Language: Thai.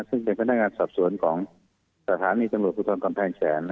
ซึ่งเป็นพนักงานสรรพสวนของสถานีจังหลวงปุทธรรมกำแพงแฉน